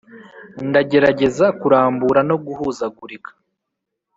ndagerageza kurambura no guhuzagurika.